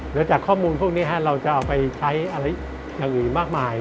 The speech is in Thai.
แล้วจากข้อมูลพวกนี้เราจะเอาไปใช้อะไรอย่างอื่นมากมาย